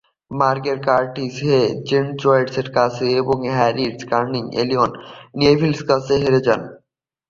Margaret Curtis May হেজলেটের কাছে এবং হ্যারিয়ট কার্টিস এলিনর নেভিলের কাছে হেরে যান।